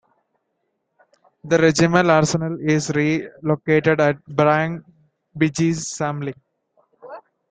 The regimental arsenal is relocated at Bagn Bygdesamling.